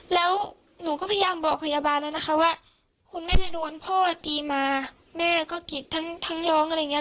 แล้วหนูก็พยายามบอกพยาบาลแล้วนะคะว่าคุณแม่โดนพ่อตีมาแม่ก็กรีดทั้งร้องอะไรอย่างเงี้